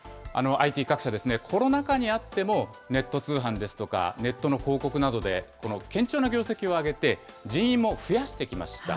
ＩＴ各社、コロナ禍にあっても、ネット通販ですとか、ネットの広告などでこの堅調な業績を上げて、人員も増やしてきました。